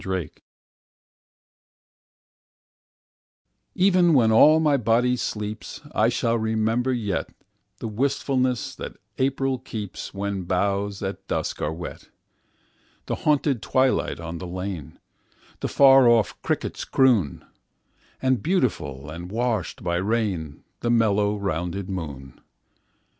April EVEN when all my body sleeps,I shall remember yetThe wistfulness that April keeps, When boughs at dusk are wet. The haunted twilight on the lane; The far off cricket's croon; And beautiful and washed by rain, The mellow rounded moon!